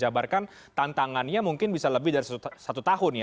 jabarkan tantangannya mungkin bisa lebih dari satu tahun ya